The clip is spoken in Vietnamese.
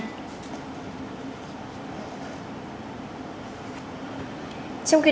trong khu vực hà nội